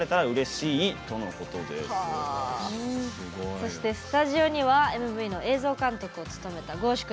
そしてスタジオにはＭＶの映像監督を務めたｇｏ‐ｓｈｕ